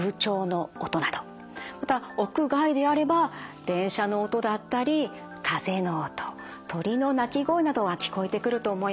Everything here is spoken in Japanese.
また屋外であれば電車の音だったり風の音鳥の鳴き声などは聞こえてくると思います。